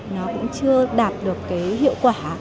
nó cũng chưa đạt được hiệu quả